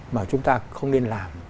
mà chúng ta không nên làm